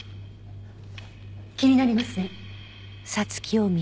気になりますね。